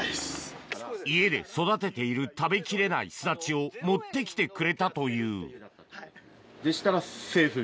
家で育てている食べきれないすだちを持ってきてくれたというでしたら。